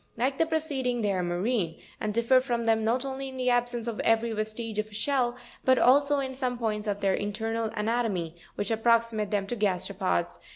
Like the preceding, they are marine, and differ from them, not only in the absence of every vestige of shell, but also in some points of their internal anatomy, which approximate them to the gasteropods.